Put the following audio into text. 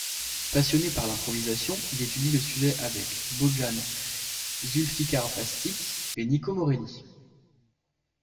Passionné par l’improvisation, il étudie le sujet avec Bojan Zulfikarpašić et Nico Morelli.